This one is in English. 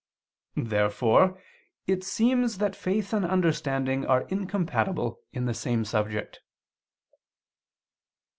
Therefore it seems that faith and understanding are incompatible in the same subject.